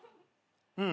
うん。